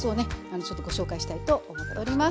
ちょっとご紹介したいと思っております。